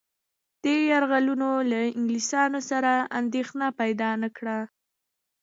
دې یرغلونو له انګلیسيانو سره اندېښنه پیدا نه کړه.